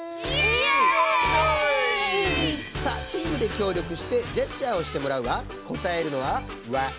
さぁチームできょうりょくしてジェスチャーをしてもらうわ。